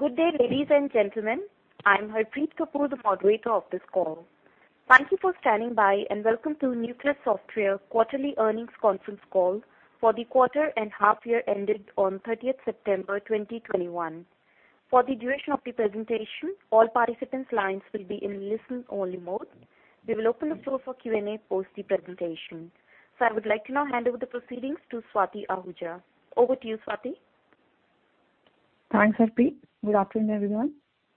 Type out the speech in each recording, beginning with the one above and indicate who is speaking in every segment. Speaker 1: Good day, ladies and gentlemen. I'm Harpreet Kapoor, the moderator of this call. Thank you for standing by, and welcome to Nucleus Software quarterly earnings conference call for the quarter and half year ended on 30 September 2021. For the duration of the presentation, all participants' lines will be in listen only mode. We will open the floor for Q&A post the presentation. I would like to now hand over the proceedings to Swati Ahuja. Over to you, Swati.
Speaker 2: Thanks, Harpreet. Good afternoon, everyone.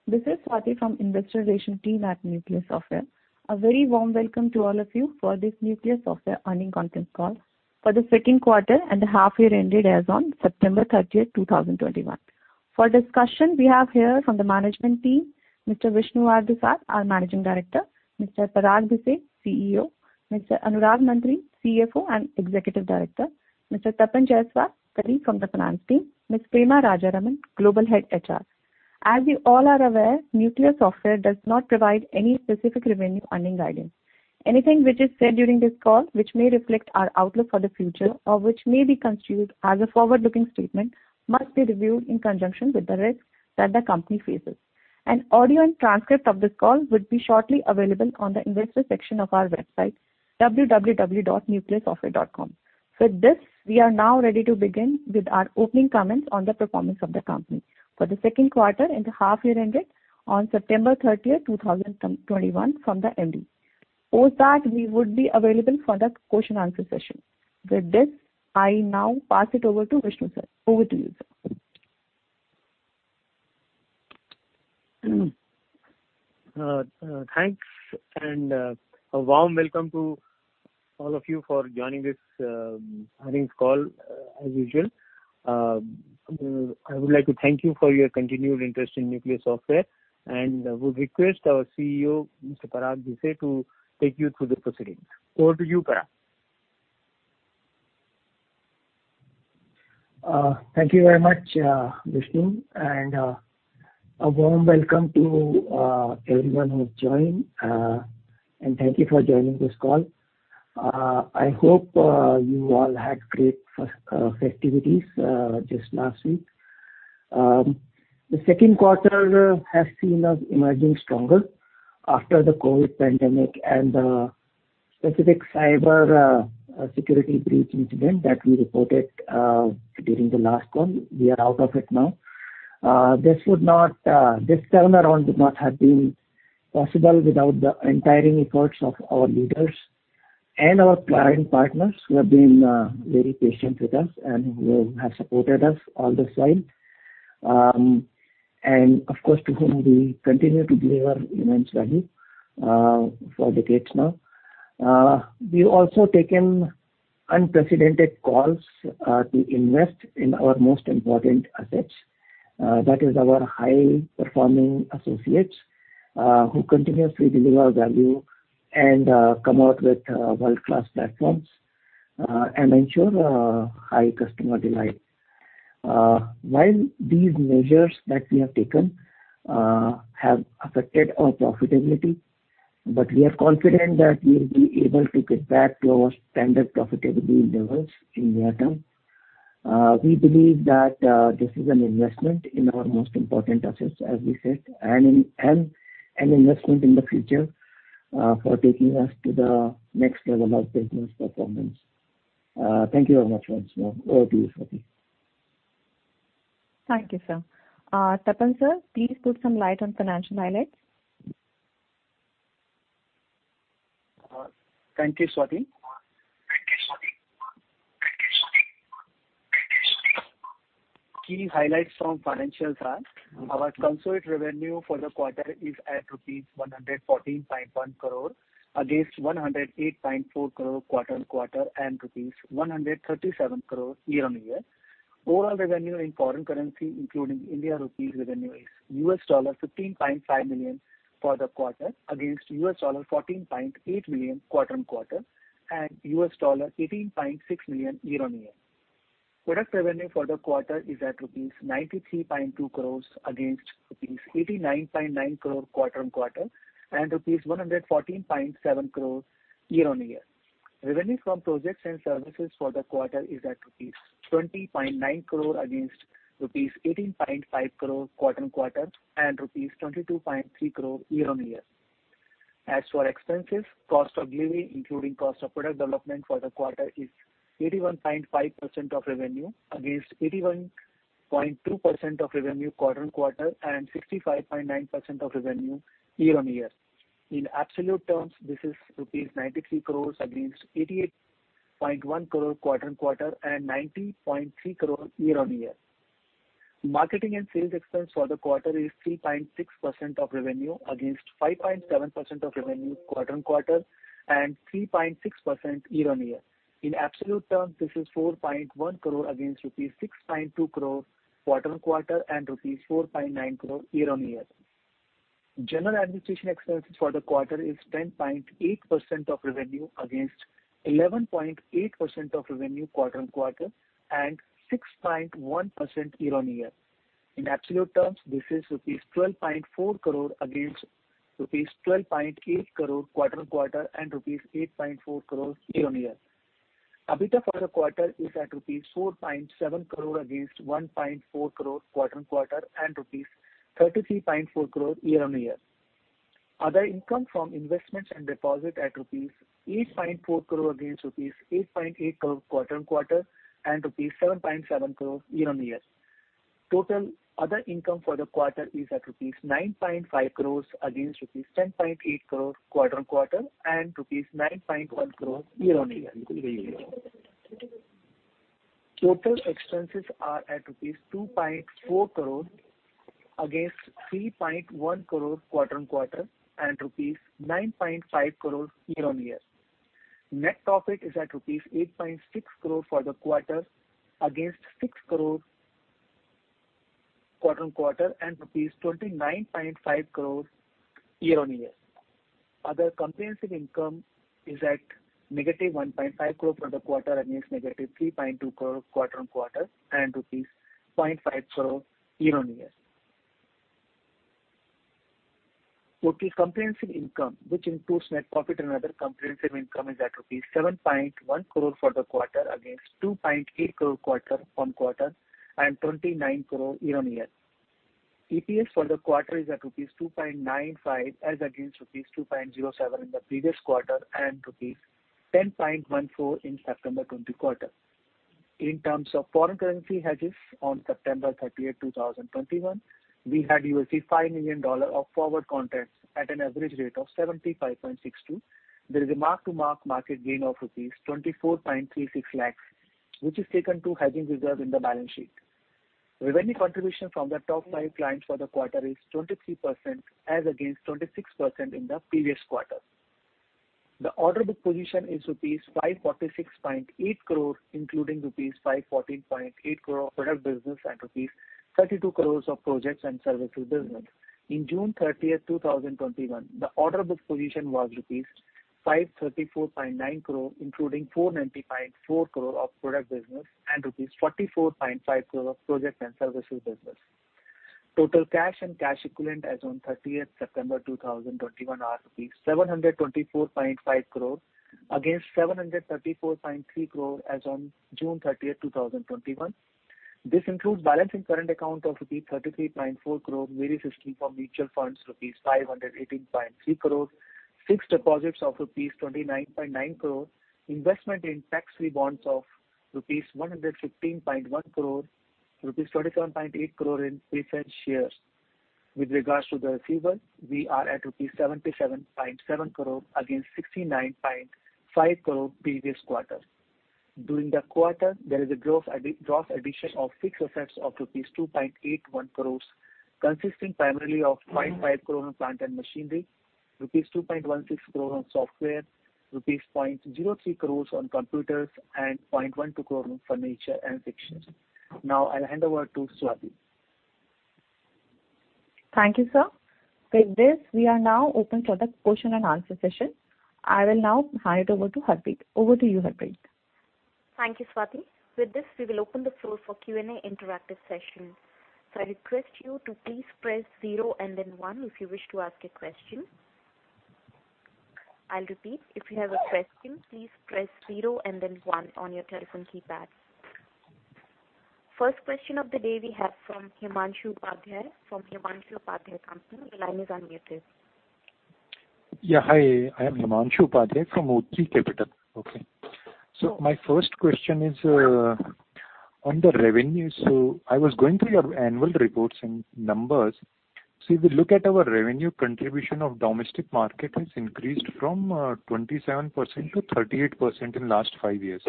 Speaker 2: This is Swati from Investor Relations team at Nucleus Software. A very warm welcome to all of you for this Nucleus Software earnings conference call for the second quarter and the half year ended as on September 30, 2021. For discussion, we have here from the management team Mr. Vishnu R. Dusad, our Managing Director. Mr. Parag Bhise, CEO. Mr. Anurag Mantri, CFO and Executive Director. Mr. Tapan Jayaswal, [Karim] from the finance team. Ms. Prema Rajaraman, Global Head HR. As you all are aware, Nucleus Software does not provide any specific revenue earnings guidance. Anything which is said during this call which may reflect our outlook for the future or which may be construed as a forward-looking statement must be reviewed in conjunction with the risks that the company faces. An audio and transcript of this call will be shortly available on the investor section of our website, www.nucleussoftware.com. With this, we are now ready to begin with our opening comments on the performance of the company for the second quarter and the half year ended on September 30, 2021 from the [MD]. Post that, we would be available for the question answer session. With this, I now pass it over to Vishnu, sir. Over to you, sir.
Speaker 3: Thanks, and a warm welcome to all of you for joining this earnings call. As usual, I would like to thank you for your continued interest in Nucleus Software, and would request our CEO, Mr. Parag Bhise, to take you through the proceedings. Over to you, Parag.
Speaker 4: Thank you very much, Vishnu, and a warm welcome to everyone who has joined. Thank you for joining this call. I hope you all had great festivities just last week. The second quarter has seen us emerging stronger after the COVID pandemic and the specific cyber security breach incident that we reported during the last call. We are out of it now. This turnaround would not have been possible without the untiring efforts of our leaders and our client partners who have been very patient with us and who have supported us all this while, and of course, to whom we continue to deliver immense value for decades now. We've also taken unprecedented calls to invest in our most important assets. That is our high-performing associates, who continuously deliver our value and, come out with, world-class platforms, and ensure, high customer delight. While these measures that we have taken, have affected our profitability, but we are confident that we'll be able to get back to our standard profitability levels in near term. We believe that, this is an investment in our most important assets, as we said, and an investment in the future, for taking us to the next level of business performance. Thank you very much once more. Over to you, Swati.
Speaker 2: Thank you, sir. Tapan, sir, please put some light on financial highlights.
Speaker 5: Thank you, Swati. Key highlights from financials are our consolidated revenue for the quarter is at rupees 114.1 crore against 108.4 crore quarter-on-quarter and rupees 137 crore year-on-year. Overall revenue in foreign currency, including Indian rupees revenue, is $15.5 million for the quarter against $14.8 million quarter-on-quarter and $18.6 million year-on-year. Product revenue for the quarter is at rupees 93.2 crores against rupees 89.9 crore quarter-on-quarter and rupees 114.7 crores year-on-year. Revenue from projects and services for the quarter is at rupees 20.9 crore against rupees 18.5 crore quarter-on-quarter and rupees 22.3 crore year-on-year. As for expenses, cost of delivery including cost of product development for the quarter is 81.5% of revenue against 81.2% of revenue quarter-on-quarter and 65.9% of revenue year-on-year. In absolute terms, this is rupees 93 crore against 88.1 crore quarter-on-quarter and 90.3 crore year-on-year. Marketing and sales expense for the quarter is 3.6% of revenue against 5.7% of revenue quarter-on-quarter and 3.6% year-on-year. In absolute terms, this is 4.1 crore against rupees 6.2 crore quarter-on-quarter and rupees 4.9 crore year-on-year. General administration expenses for the quarter is 10.8% of revenue against 11.8% of revenue quarter-on-quarter and 6.1% year-on-year. In absolute terms, this is rupees 12.4 crore against rupees 12.8 crore quarter-on-quarter and rupees 8.4 crore year-on-year. EBITDA for the quarter is at rupees 4.7 crore against 1.4 crore quarter-on-quarter and rupees 33.4 crore year-on-year. Other income from investments and deposit at rupees 8.4 crore against rupees 8.8 crore quarter-on-quarter and rupees 7.7 crore year-on-year. Total other income for the quarter is at rupees 9.5 crores against rupees 10.8 crore quarter-on-quarter and rupees 9.1 crore year-on-year. Total expenses are at rupees 2.4 crore against 3.1 crore quarter-on-quarter and rupees 9.5 crore year-on-year. Net profit is at rupees 8.6 crore for the quarter against 6 crore quarter-on-quarter and rupees 29.5 crore year-on-year. Other comprehensive income is at negative 1.5 crore for the quarter against negative 3.2 crore quarter-on-quarter and INR 0.5 crore year-on-year. Total comprehensive income, which includes net profit and other comprehensive income, is at rupees 7.1 crore for the quarter against 2.8 crore quarter-on-quarter and 29 crore year-on-year. EPS for the quarter is at rupees 2.95 as against rupees 2.07 in the previous quarter and rupees 10.14 in the September 2020 quarter. In terms of foreign currency hedges on September 30, 2021, we had $5 million of forward contracts at an average rate of 75.62. There is a mark-to-market gain of rupees 24.36 lakh, which is taken to hedging reserve in the balance sheet. Revenue contribution from the top five clients for the quarter is 23% as against 26% in the previous quarter. The order book position is rupees 546.8 crore, including rupees 514.8 crore product business and rupees 32 crore of projects and services business. In June 30, 2021, the order book position was rupees 534.9 crore, including 490.4 crore of product business and rupees 44.5 crore of projects and services business. Total cash and cash equivalent as on September 30, 2021 are 724.5 crore against 734.3 crore as on June 30, 2021. This includes balance in current account of 33.4 crore, various schemes for mutual funds, rupees 518.3 crore, fixed deposits of rupees 29.9 crore, investment in tax-free bonds of rupees 115.1 crore, rupees 27.8 crore in retained shares. With regards to the receivables, we are at rupees 77.7 crore against 69.5 crore previous quarter. During the quarter, there is a gross addition of fixed assets of rupees 2.81 crores, consisting primarily of 0.5 crore on plant and machinery, rupees 2.16 crore on software, rupees 0.03 crores on computers, and 0.12 crore on furniture and fixtures. Now I'll hand over to Swati.
Speaker 2: Thank you, sir. With this, we are now open for the question and answer session. I will now hand it over to Harpreet. Over to you, Harpreet.
Speaker 1: Thank you, Swati. With this, we will open the floor for Q&A interactive session. I request you to please press zero and then one if you wish to ask a question. I'll repeat. If you have a question, please press zero and then one on your telephone keypad. The first question of the day we have from Himanshu Upadhyay from Himanshu Upadhyay Company. Your line is unmuted.
Speaker 6: Hi. I am Himanshu Upadhyay from o3 Capital. Okay. My first question is on the revenue. I was going through your annual reports and numbers. If you look at our revenue contribution of domestic market has increased from 27% to 38% in last five years.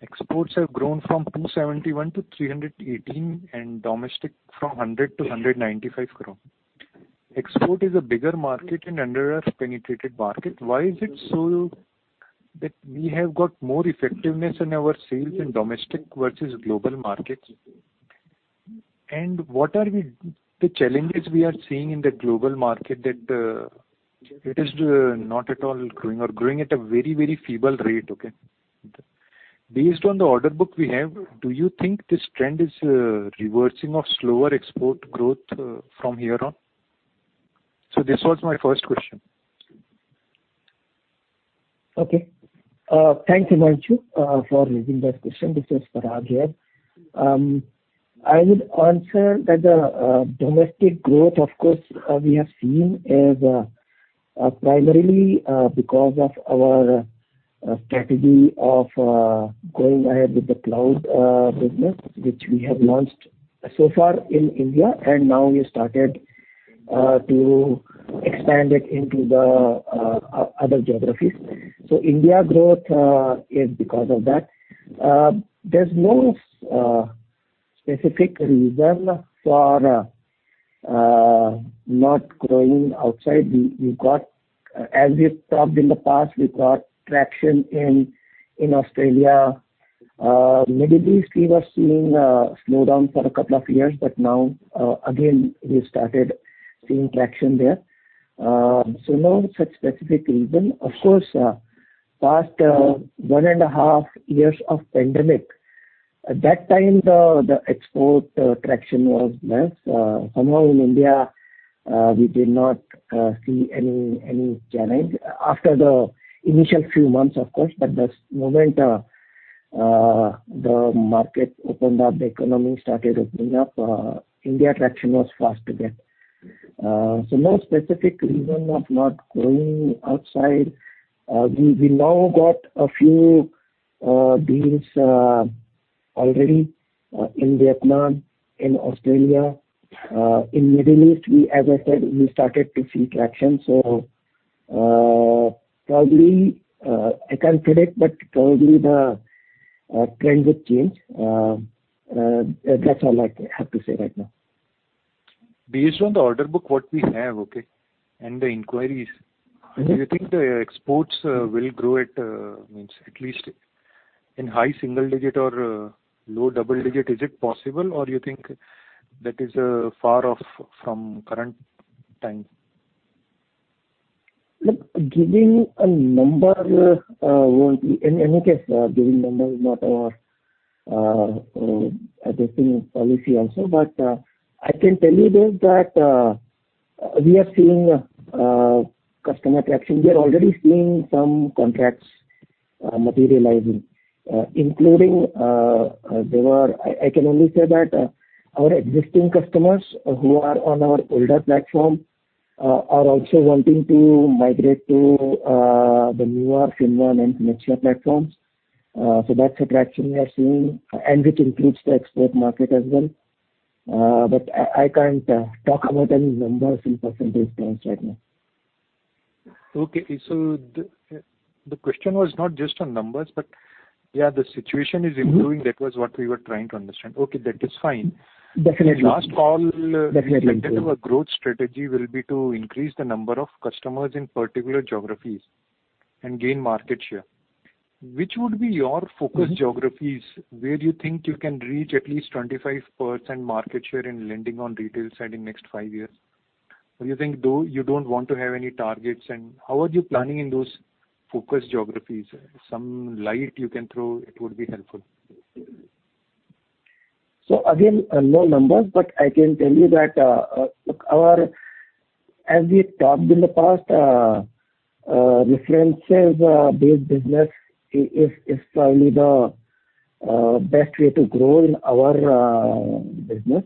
Speaker 6: Exports have grown from 271 crore to 318 crore and domestic from 100 crore to 195 crore. Export is a bigger market and underpenetrated market. Why is it so that we have got more effectiveness in our sales in domestic versus global markets? And what are the challenges we are seeing in the global market that it is not at all growing or growing at a very, very feeble rate, okay? Based on the order book we have, do you think this trend is reversing of slower export growth from here on? This was my first question.
Speaker 4: Okay. Thanks, Himanshu, for raising that question. This is Parag here. I would answer that the domestic growth, of course, we have seen is primarily because of our strategy of going ahead with the cloud business, which we have launched so far in India, and now we started to expand it into the other geographies. India growth is because of that. There's no specific reason for not growing outside. As we've talked in the past, we got traction in Australia. Middle East, we were seeing slowdown for a couple of years, but now, again we started seeing traction there. No such specific reason. Of course, past one and a half years of pandemic At that time, the export traction was less. Somehow in India, we did not see any challenge. After the initial few months, of course, but the moment the market opened up, the economy started opening up, India traction was fast again. No specific reason of not growing outside. We now got a few deals already in Vietnam, in Australia. In Middle East, as I said, we started to see traction. Probably, I can't predict, but probably the trend will change. That's all I have to say right now.
Speaker 6: Based on the order book what we have, okay, and the inquiries.
Speaker 4: Mm-hmm.
Speaker 6: Do you think the exports will grow at least in high single-digit or low double-digit? Is it possible? Or you think that is far off from current time?
Speaker 4: Look, giving a number won't be. In any case, giving number is not our policy also. I can tell you this, that we are seeing customer traction. We are already seeing some contracts materializing. I can only say that our existing customers who are on our older platform are also wanting to migrate to the newer FinnOne and FinnAxia platforms. That's a traction we are seeing and which includes the export market as well. I can't talk about any numbers in percentage terms right now.
Speaker 6: Okay. The question was not just on numbers, but yeah, the situation is improving.
Speaker 4: Mm-hmm.
Speaker 6: That was what we were trying to understand. Okay, that is fine.
Speaker 4: Definitely.
Speaker 6: At last call.
Speaker 4: Definitely.
Speaker 6: You said that our growth strategy will be to increase the number of customers in particular geographies and gain market share. Which would be your focus geographies where you think you can reach at least 25% market share in lending on retail side in next five years? Or you think you don't want to have any targets? How are you planning in those focus geographies? Some light you can throw, it would be helpful.
Speaker 4: Again, no numbers, but I can tell you that, look, as we talked in the past, reference-based business is probably the best way to grow in our business.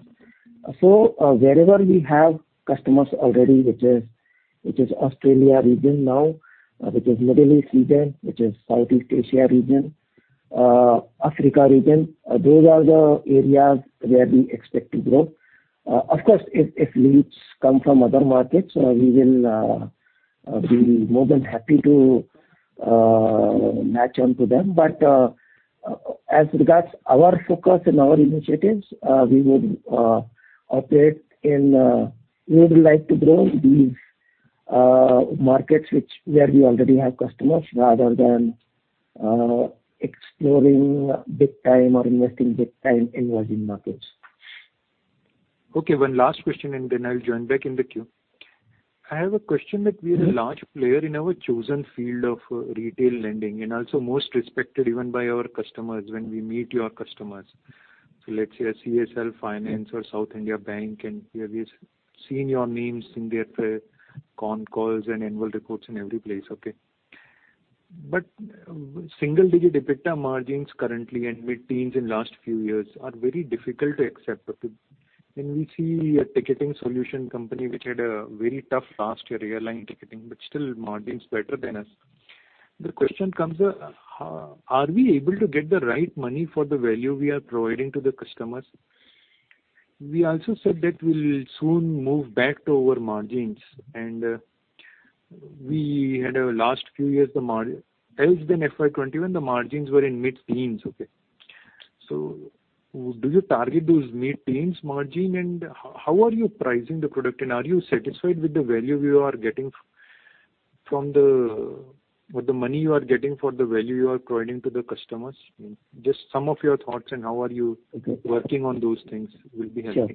Speaker 4: Wherever we have customers already, which is Australia region now, which is Middle East region, which is Southeast Asia region, Africa region, those are the areas where we expect to grow. Of course, if leads come from other markets, we will be more than happy to match onto them. As regards our focus and our initiatives, we would like to grow these markets where we already have customers, rather than exploring big time or investing big time in virgin markets.
Speaker 6: Okay, one last question and then I'll join back in the queue. I have a question that we are a large player in our chosen field of retail lending and also most respected even by our customers when we meet your customers. Let's say a CSL Finance or South Indian Bank, and we have seen your names in their con calls and annual reports in every place. Okay. Single digit EBITDA margins currently and mid-teens in last few years are very difficult to accept. When we see a ticketing solution company which had a very tough last year airline ticketing, but still margins better than us. The question comes, are we able to get the right money for the value we are providing to the customers? We also said that we'll soon move back to our margins. In the last few years other than FY 2021, the margins were in mid-teens. Okay. Do you target those mid-teens margin? How are you pricing the product? Are you satisfied with the value you are getting from the money you are getting for the value you are providing to the customers? Just some of your thoughts and how are you working on those things will be helpful.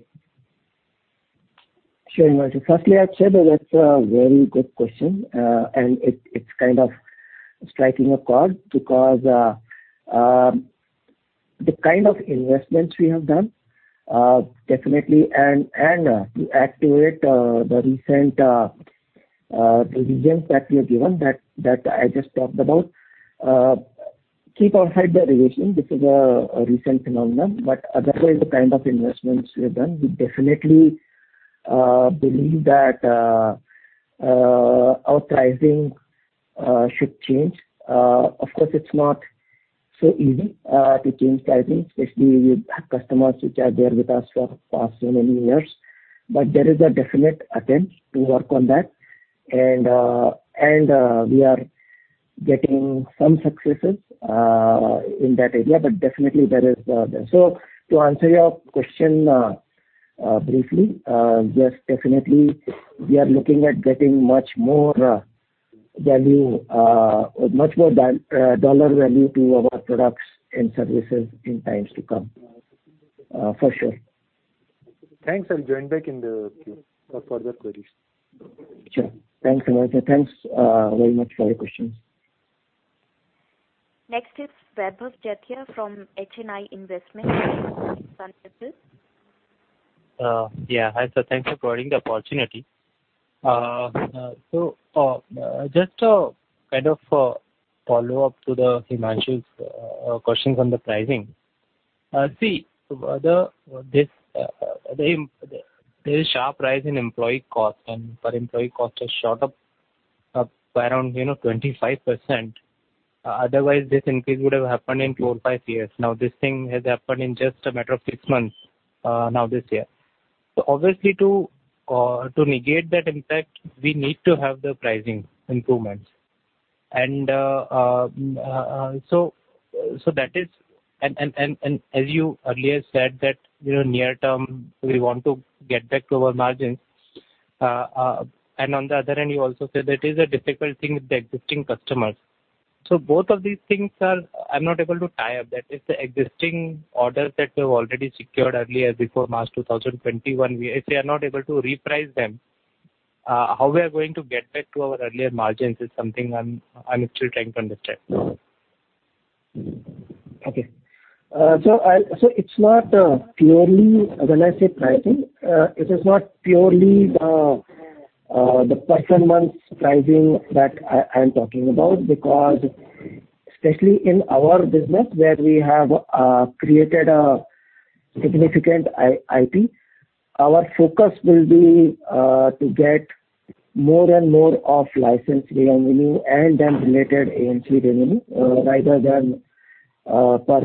Speaker 4: Sure. Firstly, I'd say that that's a very good question. It's kind of striking a chord because the kind of investments we have done definitely to activate the recent provisions that we have given that I just talked about keep or hike the revision. This is a recent phenomenon, but otherwise the kind of investments we have done, we definitely believe that our pricing should change. Of course, it's not so easy to change pricing, especially with customers which are there with us for past so many years. There is a definite attempt to work on that. We are getting some successes in that area. Definitely there is the. To answer your question, briefly, yes, definitely we are looking at getting much more value, much more dollar value to our products and services in times to come, for sure.
Speaker 6: Thanks. I'll join back in the queue for further queries.
Speaker 4: Sure. Thanks, Himanshu. Thanks, very much for your questions.
Speaker 1: Next is Vaibhav Badjatya from HNI Investment Services.
Speaker 7: Yeah. Hi, sir. Thanks for providing the opportunity. Just to kind of follow up to the Himanshu's questions on the pricing. See whether this, the sharp rise in employee cost and per employee cost has shot up by around, you know, 25%. Otherwise this increase would have happened in four or five years. Now this thing has happened in just a matter of six months, now this year. Obviously to negate that impact, we need to have the pricing improvements. So that is. As you earlier said that, you know, near term we want to get back to our margins. On the other hand, you also said that is a difficult thing with the existing customers. Both of these things are. I'm not able to tie up. That is the existing orders that we've already secured earlier before March 2021. If we are not able to reprice them, how we are going to get back to our earlier margins is something I'm actually trying to understand.
Speaker 4: It's not purely when I say pricing, it is not purely the person months pricing that I'm talking about. Because especially in our business where we have created a significant IT, our focus will be to get more and more of license revenue and then related AMC revenue rather than per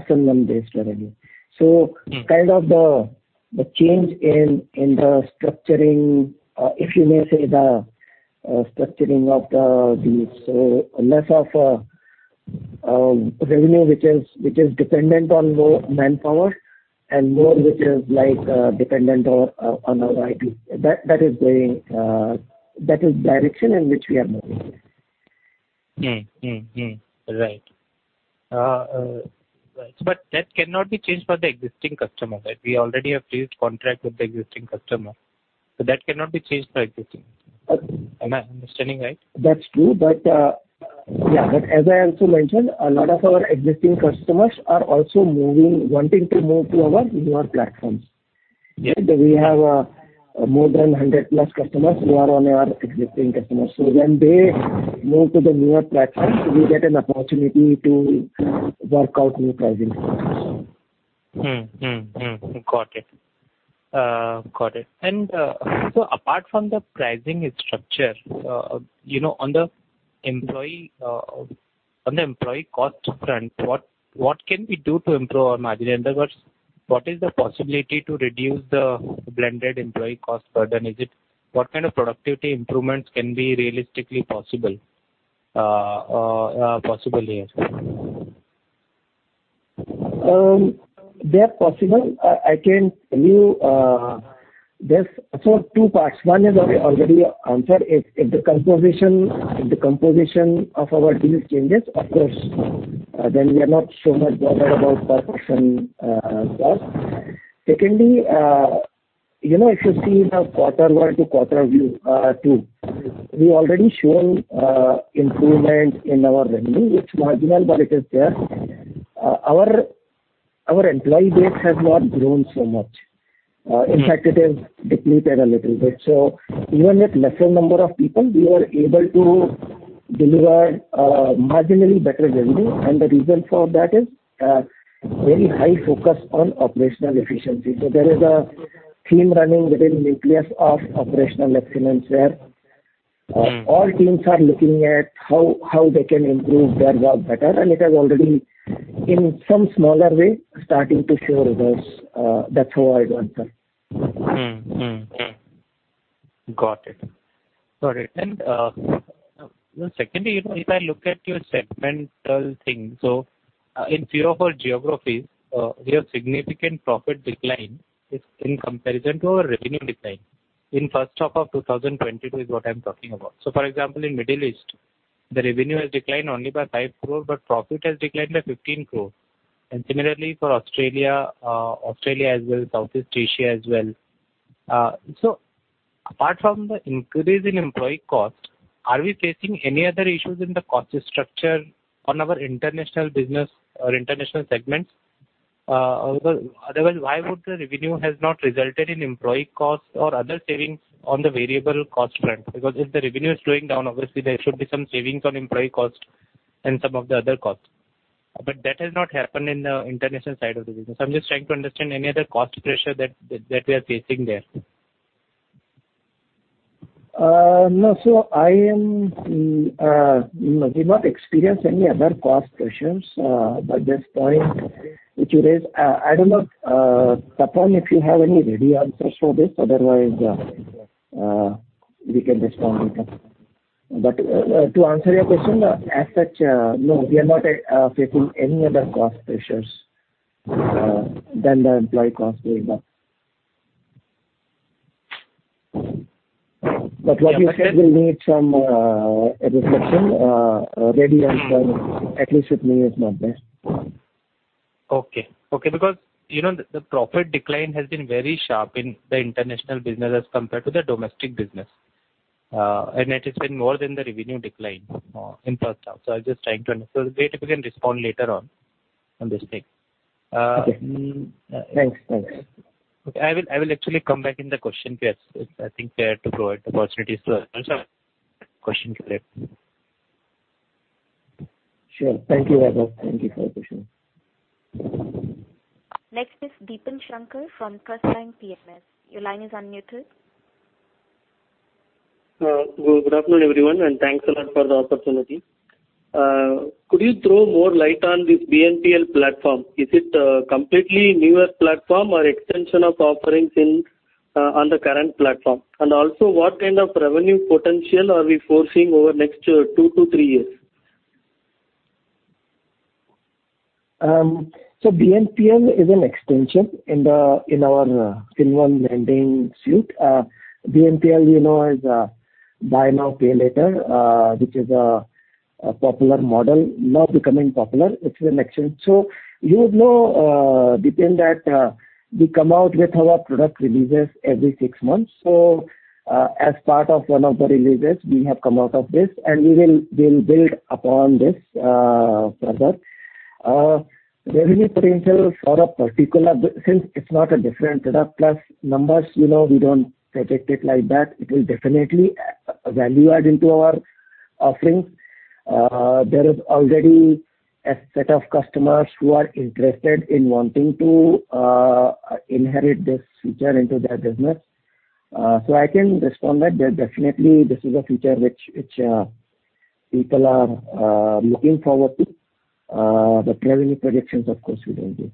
Speaker 4: person [month based] revenue.
Speaker 7: Mm-hmm.
Speaker 4: Kind of the change in the structuring, if you may say the structuring of the so less of revenue which is dependent on more manpower and more which is like dependent on our IT. That is the direction in which we are moving.
Speaker 7: That cannot be changed for the existing customer, right? We already have reached contract with the existing customer, so that cannot be changed for existing.
Speaker 4: Okay.
Speaker 7: Am I understanding right?
Speaker 4: That's true. Yeah, as I also mentioned, a lot of our existing customers are also moving, wanting to move to our newer platforms.
Speaker 7: Yeah.
Speaker 4: We have more than 100 plus customers who are our existing customers. When they move to the newer platform, we get an opportunity to work out new pricing.
Speaker 7: Got it. Apart from the pricing structure, you know, on the employee cost front, what can we do to improve our margin? In other words, what is the possibility to reduce the blended employee cost burden? What kind of productivity improvements can be realistically possible, possibly here, sir?
Speaker 4: They are possible. I can tell you, there's sort of two parts. One is I already answered. If the composition of our business changes, of course, then we are not so much bothered about per person cost. Secondly, you know, if you see in a quarter one to quarter view, two. We already shown improvement in our revenue. It's marginal, but it is there. Our employee base has not grown so much. In fact, it has depleted a little bit. Even with lesser number of people, we were able to deliver marginally better revenue. The reason for that is very high focus on operational efficiency. There is a theme running within Nucleus of operational excellence, where-
Speaker 7: Mm-hmm.
Speaker 4: all teams are looking at how they can improve their work better. It has already, in some smaller way, starting to show results. That's how I'd answer.
Speaker 7: Mm-hmm. Got it. Secondly, you know, if I look at your segmental thing, in few of our geographies, we have significant profit decline is in comparison to our revenue decline. In first half of 2022 is what I'm talking about. For example, in Middle East, the revenue has declined only by 5 crore, but profit has declined by 15 crore. Similarly for Australia as well, Southeast Asia as well. Apart from the increase in employee cost, are we facing any other issues in the cost structure on our international business or international segments? Otherwise why would the revenue has not resulted in employee costs or other savings on the variable cost front? Because if the revenue is going down, obviously there should be some savings on employee cost and some of the other costs. But that has not happened in the international side of the business. I'm just trying to understand any other cost pressure that we are facing there.
Speaker 4: No. You know, we've not experienced any other cost pressures at this point which you raised. I don't know, Tapan, if you have any ready answers for this. Otherwise, we can respond later. To answer your question, as such, no, we are not facing any other cost pressures than the employee cost going up. What is it? It will need some reflection ready and then at least with me is not there.
Speaker 7: Okay. Because, you know, the profit decline has been very sharp in the international business as compared to the domestic business. It has been more than the revenue decline in first half. It's great if you can respond later on this thing.
Speaker 4: Okay. Thanks.
Speaker 7: Okay. I will actually come back in the question period. I think they're to provide the possibilities to answer question correctly.
Speaker 4: Sure. Thank you, [Rahul]. Thank you for the question.
Speaker 1: Next is Deepan Shankar from TrustLine PMS. Your line is unmuted.
Speaker 8: Good afternoon, everyone, and thanks a lot for the opportunity. Could you throw more light on this BNPL platform? Is it a completely newer platform or extension of offerings in, on the current platform? What kind of revenue potential are we foreseeing over next two to three years?
Speaker 4: BNPL is an extension in our FinnOne lending suite. BNPL, you know, is buy now, pay later, which is a popular model now becoming popular. It's an extension. You would know, Deepan, that we come out with our product releases every six months. As part of one of the releases, we have come out with this and we'll build upon this further. Since it's not a different product, plus numbers, you know, we don't project it like that. It will definitely be a value add into our offerings. There is already a set of customers who are interested in wanting to inherit this feature into their business. I can respond that definitely this is a feature which people are looking forward to. Revenue projections, of course, we don't give.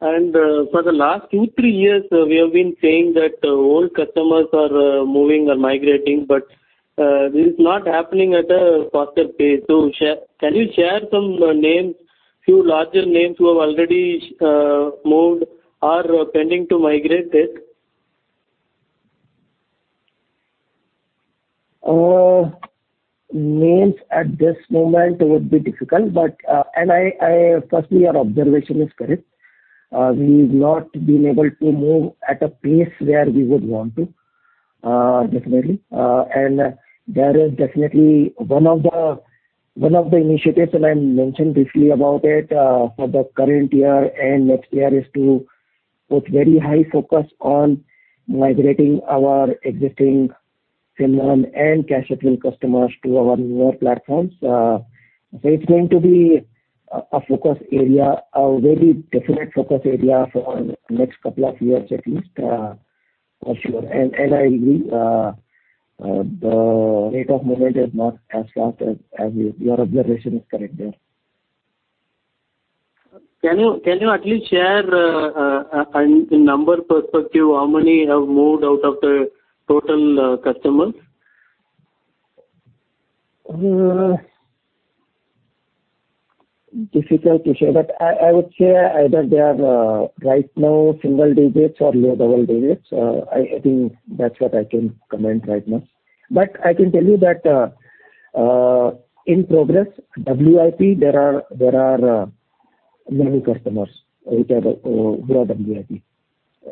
Speaker 8: For the last two three years, we have been saying that old customers are moving or migrating, but this is not happening at a faster pace. Can you share some names, few larger names who have already moved or are pending to migrate it?
Speaker 4: Names at this moment would be difficult. Firstly, your observation is correct. We've not been able to move at a pace where we would want to, definitely. There is definitely one of the initiatives, and I mentioned briefly about it, for the current year and next year, is to put very high focus on migrating our existing FinnOne and [FinnAxia] customers to our newer platforms. It's going to be a focus area, a very definite focus area for next couple of years at least, for sure. I agree, the rate of movement is not as fast as we. Your observation is correct there.
Speaker 8: Can you at least share the number perspective, how many have moved out of the total customers?
Speaker 4: Difficult to share, but I would say either they are right now single digits or low double digits. I think that's what I can comment right now. I can tell you that in progress, WIP, there are many customers which are who are WIP,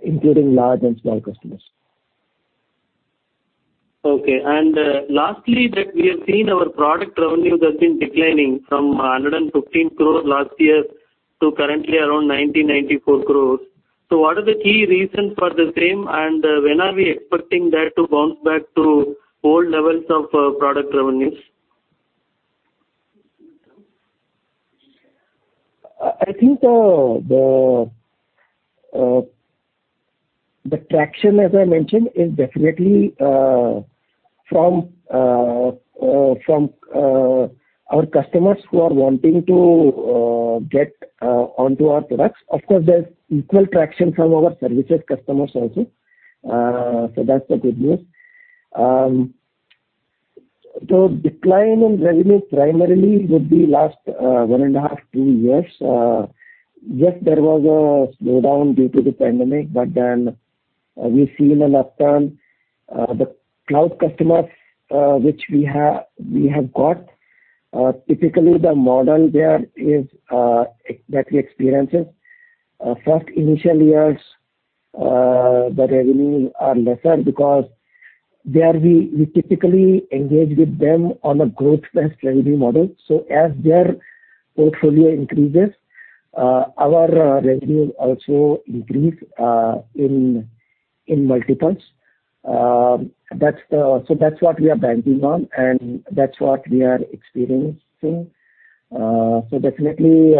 Speaker 4: including large and small customers.
Speaker 8: Lastly, that we have seen our product revenue that's been declining from 115 crores last year to currently around [94] crores. What are the key reasons for the same? When are we expecting that to bounce back to old levels of product revenues?
Speaker 4: I think the traction, as I mentioned, is definitely from our customers who are wanting to get onto our products. Of course, there's equal traction from our services customers also. That's the good news. The decline in revenues primarily would be in the last one and a half to two years. Yes, there was a slowdown due to the pandemic, but then we've seen an upturn. The cloud customers which we have got, typically the model there is that we experience. In the first initial years, the revenues are lesser because there we typically engage with them on a growth-based revenue model. As their portfolio increases, our revenues also increase in multiples. That's what we are banking on, and that's what we are experiencing. Definitely,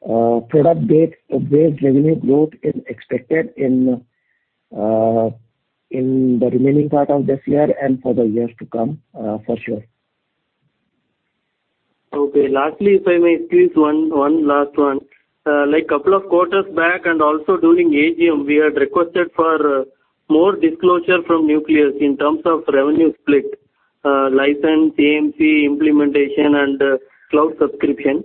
Speaker 4: product-based revenue growth is expected in the remaining part of this year and for the years to come, for sure.
Speaker 8: Okay. Lastly, if I may squeeze one last one. Like couple of quarters back and also during AGM, we had requested for more disclosure from Nucleus in terms of revenue split, license, AMC, implementation and cloud subscription.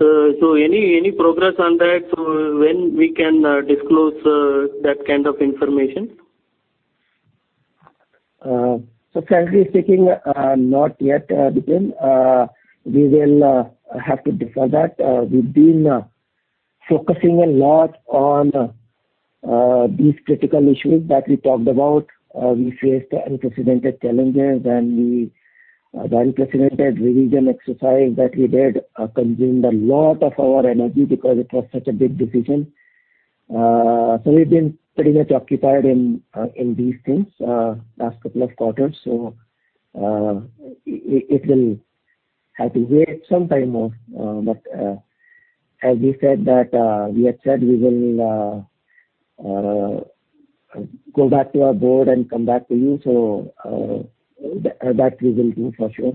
Speaker 8: Any progress on that? When can we disclose that kind of information?
Speaker 4: Frankly speaking, not yet, within. We will have to defer that. We've been focusing a lot on these critical issues that we talked about. We faced unprecedented challenges, the unprecedented revision exercise that we did consumed a lot of our energy because it was such a big decision. We've been pretty much occupied in these things last couple of quarters. It will have to wait some time more. As we said that, we had said we will go back to our board and come back to you. That we will do for sure.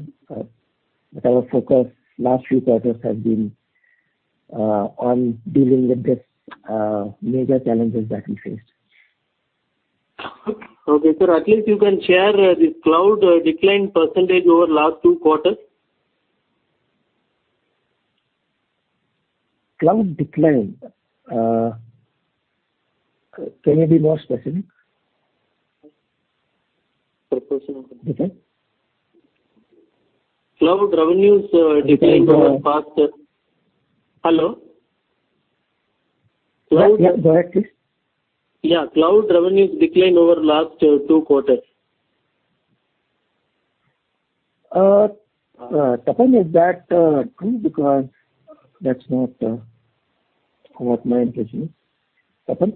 Speaker 4: Our focus last few quarters have been on dealing with this major challenges that we faced.
Speaker 8: Okay. At least you can share this cloud decline percentage over last two quarters.
Speaker 4: Cloud decline? Can you be more specific?
Speaker 8: Percentage.
Speaker 4: Okay.
Speaker 8: Cloud revenues decline over past.
Speaker 4: Yeah.
Speaker 8: Hello?
Speaker 4: Yes, yes. Go ahead, please.
Speaker 8: Yeah. Cloud revenues decline over last two quarters.
Speaker 4: Tapan, is that you? Because that's not what my intention is. Tapan?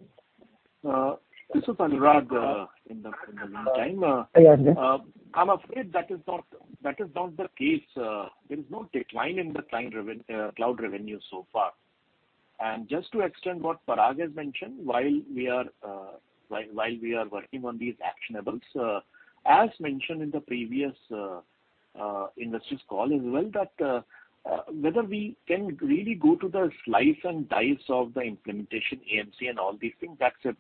Speaker 9: This is Anurag, in the meantime.
Speaker 4: Yeah.
Speaker 9: I'm afraid that is not the case. There is no decline in the cloud revenue so far. Just to extend what Parag has mentioned, while we are working on these actionables, as mentioned in the previous investors call as well that whether we can really go to the slice and dice of the implementation AMC and all these things, that's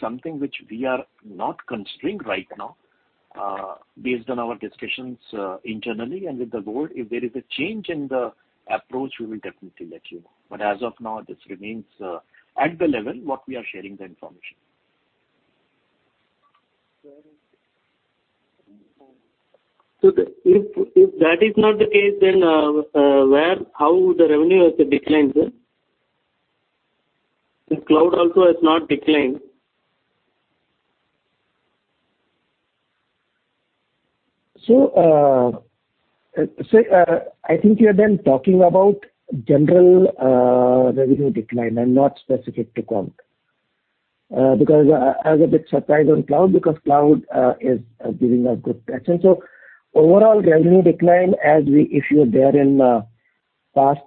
Speaker 9: something which we are not constrained right now. Based on our discussions internally and with the board, if there is a change in the approach, we will definitely let you know. As of now, this remains at the level what we are sharing the information.
Speaker 8: If that is not the case, then where, how the revenue has declined, sir? If cloud also has not declined.
Speaker 4: I think you are then talking about general revenue decline and not specific to Comp. Because I was a bit surprised on cloud because cloud is giving a good picture. Overall revenue decline as we discussed there in past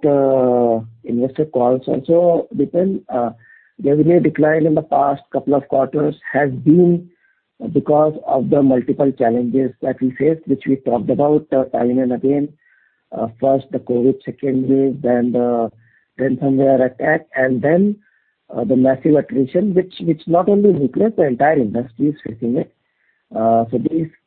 Speaker 4: investor calls also within revenue decline in the past couple of quarters has been because of the multiple challenges that we faced, which we talked about time and again. First the COVID second wave, then the ransomware attack, and then the massive attrition which not only hit us, the entire industry is facing it. These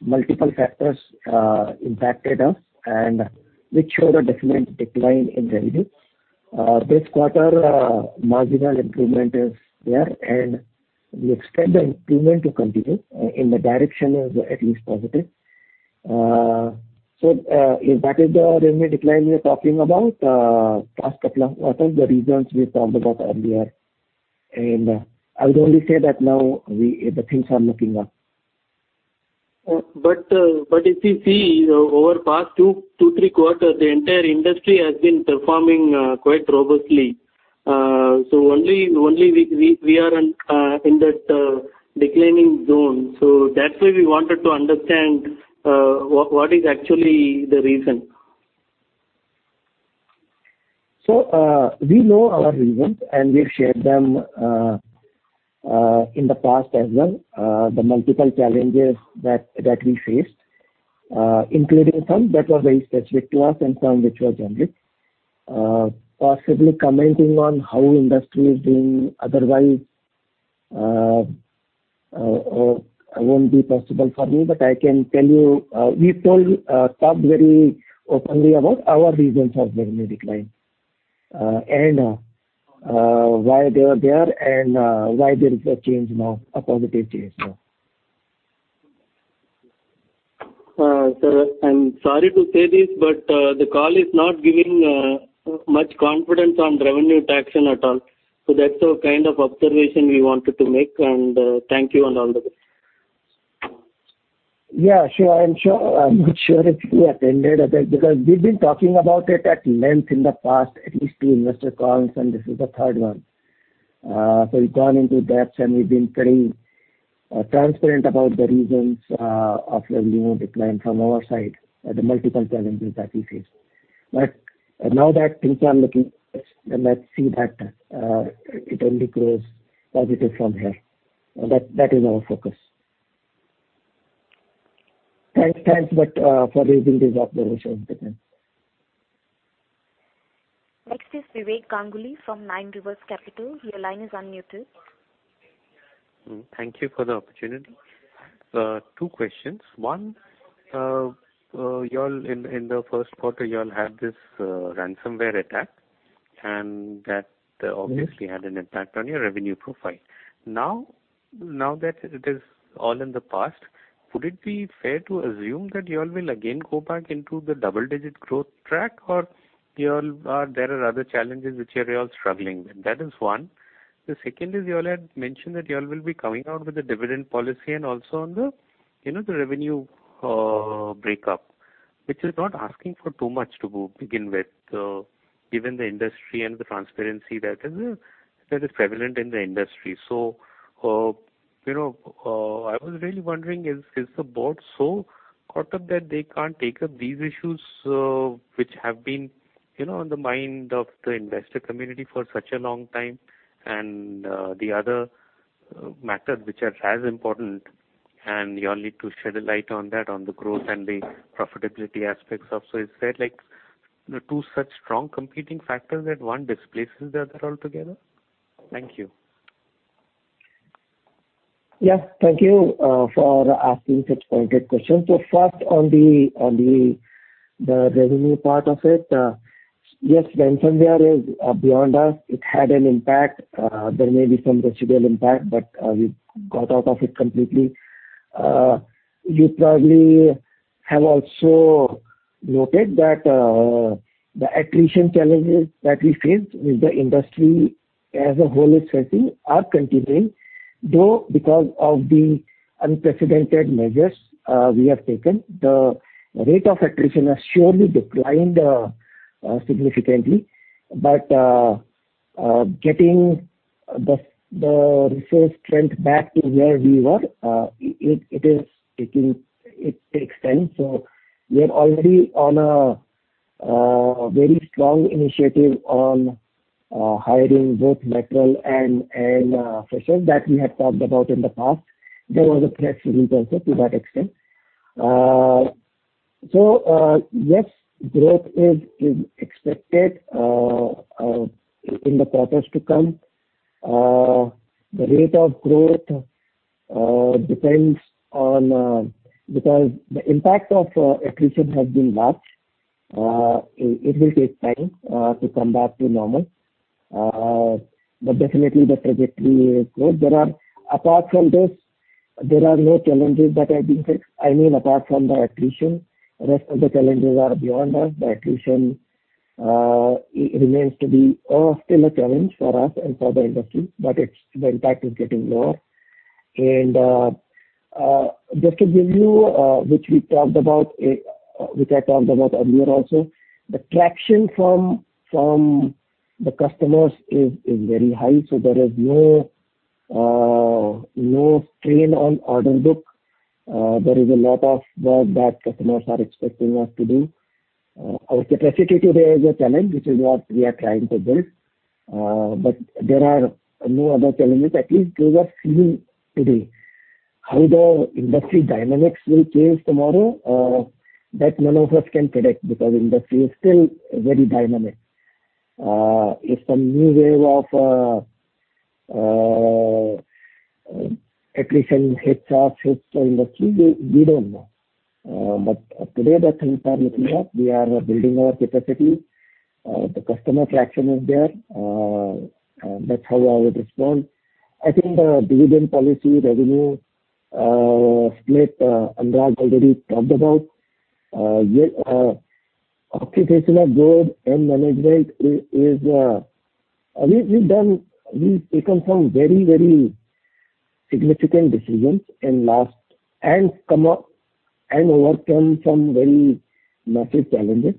Speaker 4: multiple factors one after another impacted us and which showed a definite decline in revenue. This quarter, marginal improvement is there, and we expect the improvement to continue. The direction is at least positive. If that is the revenue decline you're talking about past couple of quarters, the reasons we talked about earlier. I would only say that now the things are looking up.
Speaker 8: if you see over the past two, three quarters, the entire industry has been performing quite robustly. Only we are in that declining zone. That's why we wanted to understand what is actually the reason.
Speaker 4: We know our reasons, and we've shared them in the past as well. The multiple challenges that we faced, including some that were very specific to us and some which were generic. Possibly commenting on how industry is doing otherwise won't be possible for me. I can tell you, we've talked very openly about our reasons for revenue decline, and why they were there and why there is a change now, a positive change now.
Speaker 8: Sir, I'm sorry to say this, but the call is not giving much confidence on revenue traction at all. That's the kind of observation we wanted to make, and thank you and all the best.
Speaker 4: Yeah, sure. I'm sure. I'm not sure if you attended that because we've been talking about it at length in the past, at least two investor calls, and this is the third one. So we've gone into depths, and we've been very transparent about the reasons of revenue decline from our side and the multiple challenges that we face. Now that things are looking, let's see that it only grows positive from here. That is our focus. Thanks, but for raising this observation.
Speaker 1: Next is Vivek Ganguly from Nine Rivers Capital. Your line is unmuted.
Speaker 10: Thank you for the opportunity. Two questions. One, in the first quarter, you all had this ransomware attack, and that obviously had an impact on your revenue profile. Now that it is all in the past, would it be fair to assume that you all will again go back into the double-digit growth track, or there are other challenges which you all are struggling with? That is one. The second is you all had mentioned that you all will be coming out with a dividend policy and also on the, you know, the revenue breakup, which is not asking for too much to begin with, given the industry and the transparency that is prevalent in the industry. I was really wondering is the board so caught up that they can't take up these issues, which have been, you know, on the mind of the investor community for such a long time and, the other matters which are as important and y'all need to shed a light on that on the growth and the profitability aspects of. Is there like two such strong competing factors that one displaces the other altogether? Thank you.
Speaker 4: Yes. Thank you for asking such pointed questions. First, on the revenue part of it. Yes, ransomware is beyond us. It had an impact. There may be some residual impact, but we've got out of it completely. You probably have also noted that the attrition challenges that we faced with the industry as a whole is facing are continuing. Though because of the unprecedented measures we have taken, the rate of attrition has surely declined significantly. Getting the resource strength back to where we were, it takes time. We're already on a very strong initiative on hiring both lateral and freshers that we had talked about in the past. There was a press release also to that extent. Yes, growth is expected in the quarters to come. The rate of growth depends on because the impact of attrition has been large. It will take time to come back to normal. Definitely the trajectory is good. Apart from this, there are no challenges that are being faced. I mean, apart from the attrition, rest of the challenges are beyond us. The attrition it remains to be still a challenge for us and for the industry, but its impact is getting lower. Just to give you which we talked about, which I talked about earlier also, the traction from the customers is very high, so there is no strain on order book. There is a lot of work that customers are expecting us to do. Our capacity today is a challenge, which is what we are trying to build. There are no other challenges, at least those are few today. How the industry dynamics will change tomorrow, that none of us can predict because industry is still very dynamic. If some new wave of attrition hits our industry, we don't know. Today the things are looking up. We are building our capacity. The customer traction is there. That's how I would respond. I think the dividend policy, revenue split, Anurag already talked about. Yes, operational growth and management is. We've taken some very significant decisions in last and come up and overcome some very massive challenges.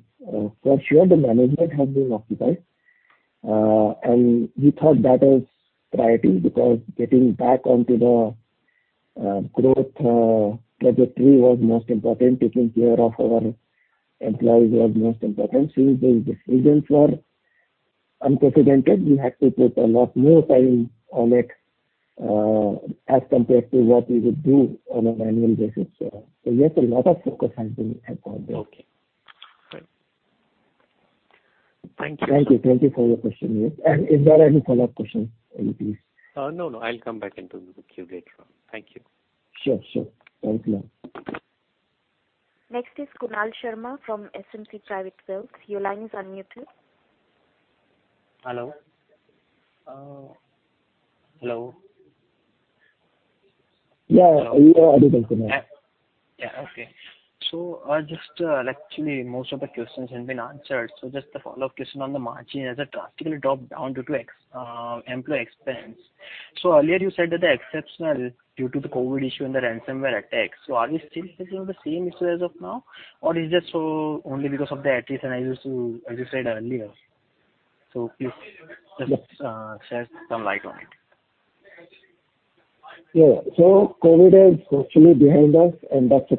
Speaker 4: For sure the management has been occupied. We thought that was priority because getting back onto the growth trajectory was most important. Taking care of our employees was most important. Since those decisions were unprecedented, we had to put a lot more time on it as compared to what we would do on an annual basis. Yes, a lot of focus has been involved there.
Speaker 10: Okay. Right. Thank you.
Speaker 4: Thank you. Thank you for your question. Yes. Is there any follow-up question, maybe?
Speaker 10: No, no. I'll come back into the queue later on. Thank you.
Speaker 4: Sure. Thank you.
Speaker 1: Next is Kunal Sharma from SMC Private Wealth. Your line is unmuted.
Speaker 11: Hello? Hello?
Speaker 4: Yeah. You are audible, Kunal.
Speaker 11: Actually most of the questions have been answered. Just a follow-up question on the margin has drastically dropped down due to exceptional employee expense. Earlier you said that the exceptional due to the COVID issue and the ransomware attacks. Are we still facing the same issue as of now, or is it just only because of the attrition as you said earlier? Please just shed some light on it.
Speaker 4: Yeah. COVID is hopefully behind us, and that's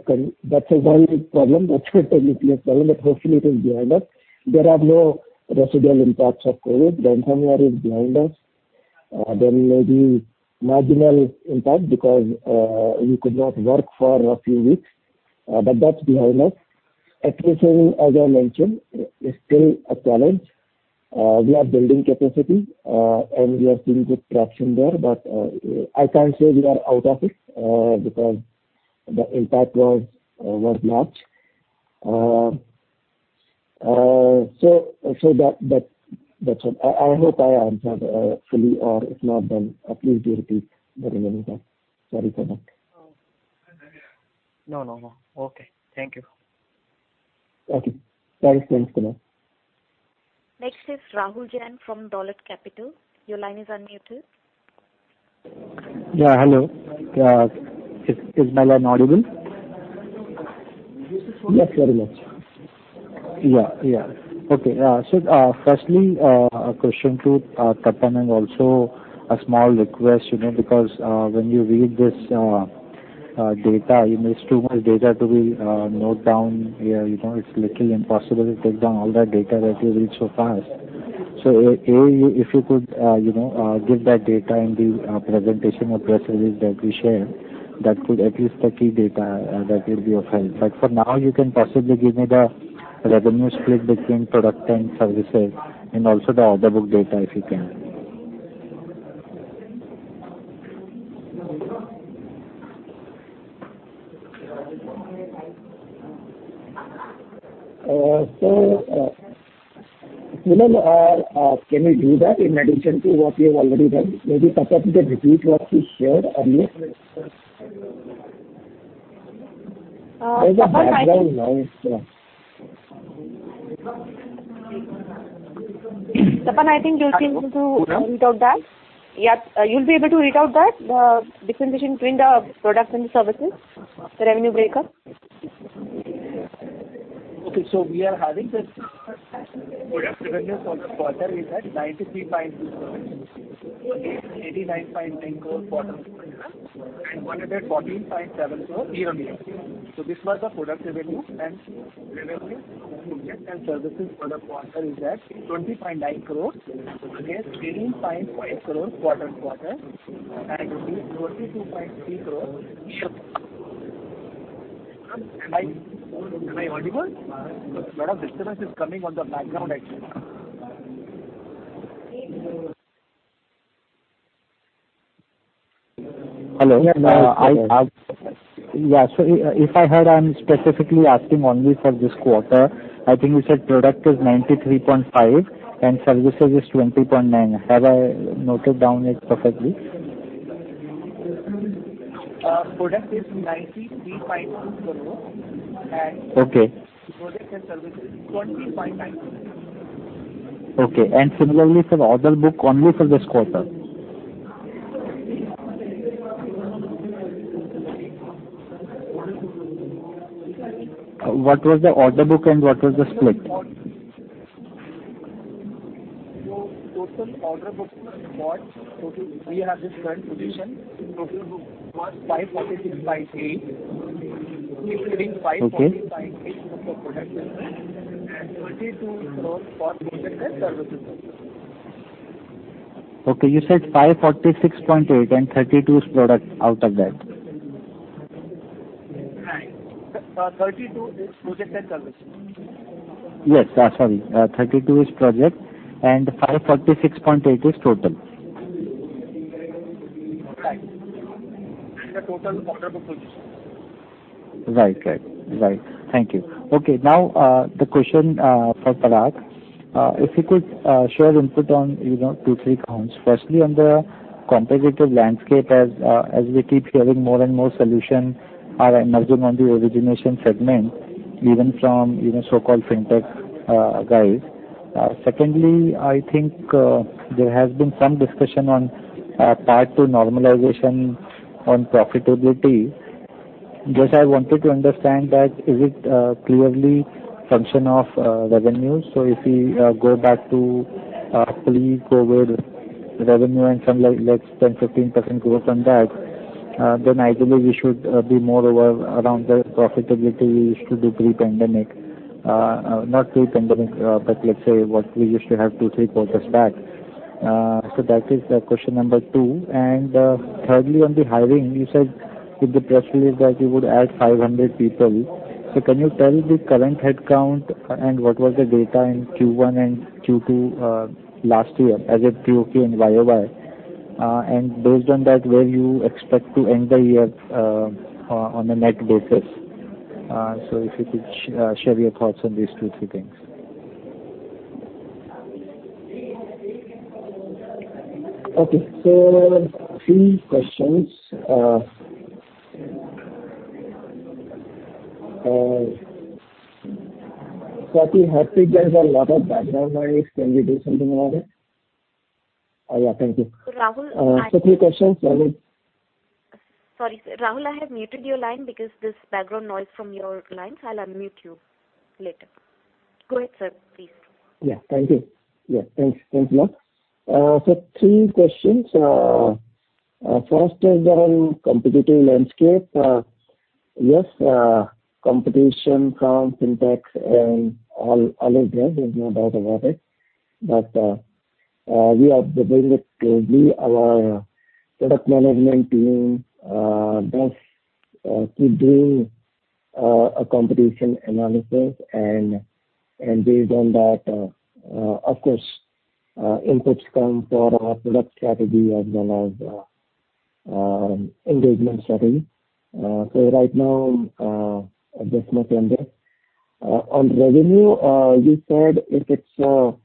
Speaker 4: a worldwide problem, that's [not a Tech Mahindra problem, but hopefully it is] behind us. There are no residual impacts of COVID. Ransomware is behind us. There may be marginal impact because you could not work for a few weeks. That's behind us. Attrition, as I mentioned, is still a challenge. We are building capacity, and we are seeing good traction there. I can't say we are out of it because the impact was much. That's it. I hope I answered fully, or if not, then please do repeat the remaining part. Sorry for that.
Speaker 11: No, no. Okay. Thank you.
Speaker 4: Okay. Thanks once again.
Speaker 1: Next is Rahul Jain from Dolat Capital. Your line is unmuted.
Speaker 12: Yeah. Hello. Is my line audible?
Speaker 4: Yes, very much.
Speaker 12: Yeah, yeah. Okay. So, firstly, a question to Tapan and also a small request, you know, because when you read this data, you know, it's too much data to note down. Yeah, you know, it's little impossible to take down all that data that you read so fast. So if you could, you know, give that data in the presentation or press release that we share, that could at least the key data that will be of help. But for now, you can possibly give me the revenue split between product and services and also the order book data, if you can.
Speaker 4: Kunal, can you do that in addition to what you have already done? Maybe, Tapan, can you repeat what he shared earlier.
Speaker 1: Tapan, I think.
Speaker 4: There's a background noise. Yeah.
Speaker 1: Tapan, I think you'll be able to.
Speaker 4: Pardon?
Speaker 1: Yeah. You'll be able to read out that, the differentiation between the products and services, the revenue breakup.
Speaker 5: Okay. We are having this product revenue for the quarter is at 93.2 [crores against] INR 89.9 crore quarter-on-quarter and INR 114.7 crore year-on-year. This was the product revenue. Revenue from projects and services for the quarter is at 20.9 crores against 18.8 crores quarter-on-quarter and 22.3 crores year. Am I audible? A lot of disturbance is coming on the background, I think.
Speaker 12: Hello.
Speaker 4: Yeah.
Speaker 12: Yeah. If I heard, I'm specifically asking only for this quarter. I think you said product is 93.5 and services is 20.9. Have I noted down it perfectly?
Speaker 5: Product is 93.2 crore and
Speaker 12: Okay.
Speaker 5: product and services, 20.9 crore.
Speaker 12: Okay. Similarly for order book only for this quarter. What was the order book and what was the split?
Speaker 5: Total order books for quarter, we have this current position, total book was 546.8, including 546.8.
Speaker 12: Okay.
Speaker 5: for the product segment and 32 crore for projects and services.
Speaker 12: Okay. You said 546.8 and 32 is product out of that.
Speaker 5: Right. 32 is project and services.
Speaker 12: Yes. Sorry. 32 is project and 546.8 is total.
Speaker 5: Right. Is the total order book position?
Speaker 12: Right. Thank you. Okay. Now, the question for Parag. If you could share input on, you know, two, three accounts. Firstly, on the competitive landscape as we keep hearing more and more solutions are emerging on the origination segment, even from, you know, so-called fintech guys. Secondly, I think there has been some discussion on path to normalization on profitability. Just I wanted to understand that is it clearly function of revenue. So if we go back to pre-COVID revenue and some like let's 10, 15% growth on that, then ideally we should be more over around the profitability we used to do pre-pandemic. Not pre-pandemic, but let's say what we used to have two, three quarters back. So that is question number two. Thirdly, on the hiring, you said in the press release that you would add 500 people. Can you tell the current headcount and what was the data in Q1 and Q2 last year as a QoQ and YOY? Based on that, where do you expect to end the year on a net basis? If you could share your thoughts on these two, three things.
Speaker 4: Okay. Three questions. Swati, hopefully there's a lot of background noise. Can we do something about it? Yeah. Thank you.
Speaker 1: Rahul, I-
Speaker 4: Three questions.
Speaker 1: Sorry, sir. Rahul, I have muted your line because there's background noise from your line. I'll unmute you later. Go ahead, sir. Please.
Speaker 4: Yeah. Thank you. Yeah. Thanks. Thanks a lot. Three questions. First is on competitive landscape. Yes, competition from fintechs and all is there. There's no doubt about it. We are dealing with it closely. Our product management team does keep doing a competition analysis and based on that, of course, inputs come for our product strategy as well as engagement strategy. Right now, that's not under. On revenue, you said if the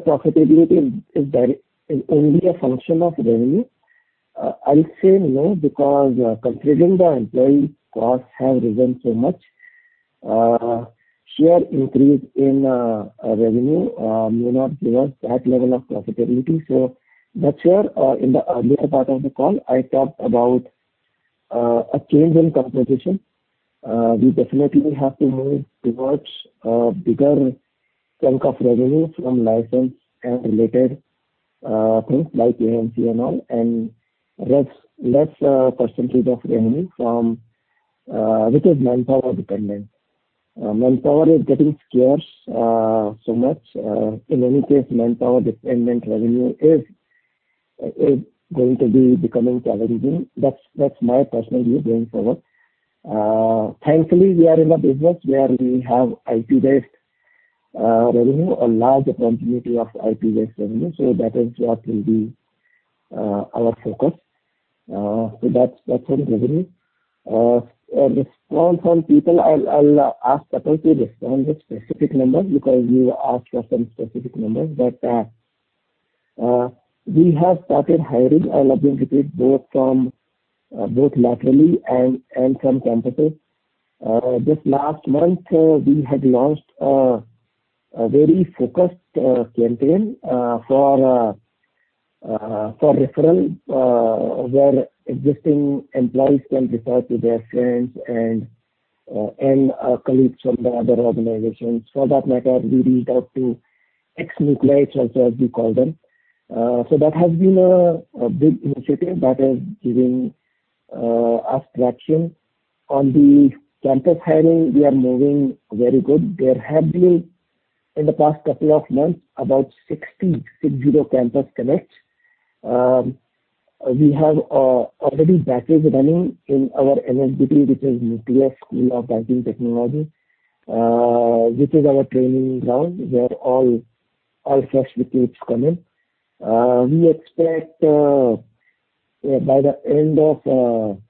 Speaker 4: profitability is only a function of revenue. I'll say no because considering the employee costs have risen so much, sheer increase in revenue may not give us that level of profitability. That's where, in the earlier part of the call I talked about a change in competition. We definitely have to move towards a bigger chunk of revenue from license and related things like AMC and all, and less percentage of revenue from which is manpower dependent. Manpower is getting scarce so much. In any case, manpower dependent revenue is going to be becoming challenging. That's my personal view going forward. Thankfully, we are in a business where we have IP-based revenue, a large continuity of IP-based revenue, so that is what will be our focus. That's on revenue. Response from people, I'll ask Tapan to respond with specific numbers because you asked for some specific numbers. We have started hiring aggressively, both laterally and from campuses. This last month, we had launched a very focused campaign for referrals, where existing employees can refer to their friends and colleagues from the other organizations. For that matter, we reached out to Nucleites, also as we call them. That has been a big initiative that is giving us traction. On the campus hiring, we are moving very good. There have been, in the past couple of months, about 60 campus connects. We have already batches running in our NSBT, which is Nucleus School of Banking Technology, which is our training ground where all fresh recruits come in. We expect by the end of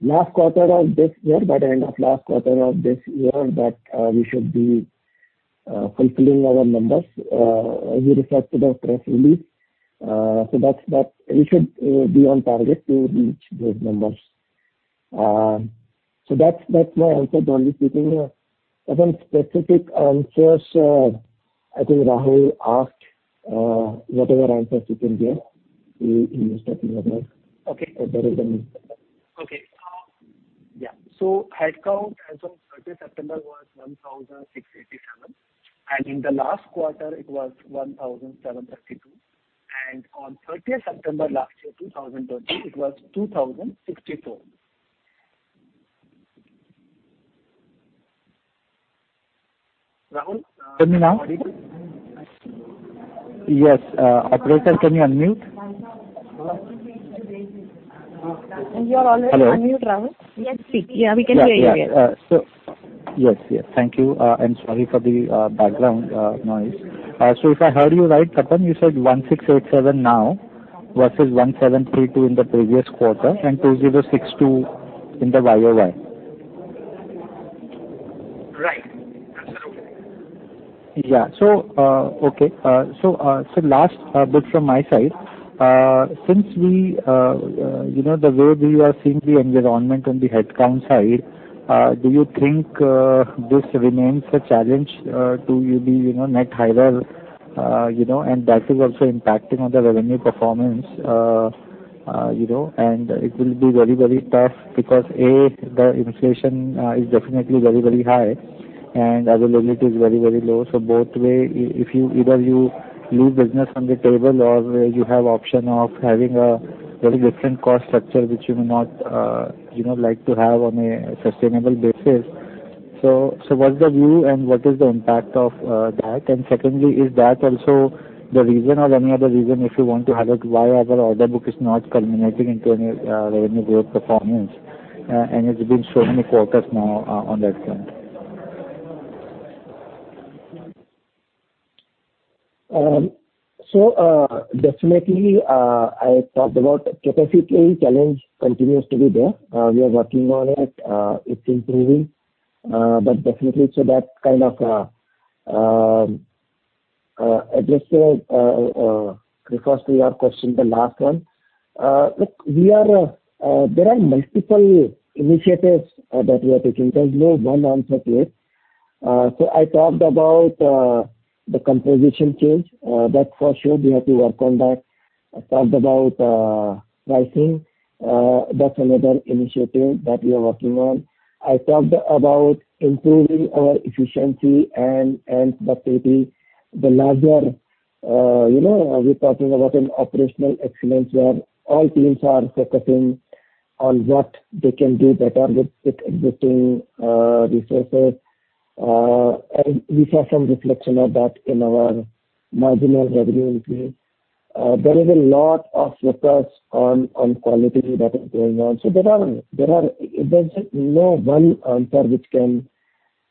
Speaker 4: last quarter of this year. By the end of last quarter of this year that we should be fulfilling our numbers as we referred to the press release. That's that. We should be on target to reach those numbers. That's my answer generally speaking. Some specific answers, I think Rahul asked whatever answers you can give. He was talking about-
Speaker 5: Okay.
Speaker 4: the reason.
Speaker 5: Okay. Headcount as of 30th September was 1,687, and in the last quarter it was 1,732. On 30th September last year, 2020, it was 2,064.
Speaker 4: Rahul?
Speaker 5: Can you now?
Speaker 4: Yes. Operator, can you unmute?
Speaker 1: You are already unmute, Rahul.
Speaker 12: Yes.
Speaker 1: Yeah, we can hear you here.
Speaker 12: Yes. Thank you. Sorry for the background noise. If I heard you right, Tapan, you said 1,687 now versus 1,732 in the previous quarter and 2,062 in the YOY.
Speaker 5: Right. That's right.
Speaker 12: Yeah. Okay. Last bit from my side. Since we, you know, the way we are seeing the environment on the headcount side, do you think this remains a challenge to be, you know, net higher, you know, and that is also impacting on the revenue performance, you know. It will be very, very tough because, A, the inflation is definitely very, very high and availability is very, very low. Both ways, if you either you lose business on the table or you have option of having a very different cost structure, which you may not, you know, like to have on a sustainable basis. What's the view and what is the impact of that? Secondly, is that also the reason or any other reason, if you want to highlight why our order book is not culminating into any, revenue growth performance? It's been so many quarters now, on that front.
Speaker 4: Definitely, I talked about capacity challenge continues to be there. We are working on it. It's improving. Definitely so that kind of address because to your question, the last one. Look, there are multiple initiatives that we are taking. There's no one answer to it. I talked about the composition change. That for sure we have to work on that. I talked about pricing. That's another initiative that we are working on. I talked about improving our efficiency and the quality. The larger, you know, we're talking about an operational excellence where all teams are focusing on what they can do better with existing resources. We saw some reflection of that in our marginal revenue increase. There is a lot of focus on quality that is going on. There's no one answer which can